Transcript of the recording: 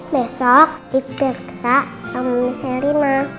besok dipirksa sama miss herina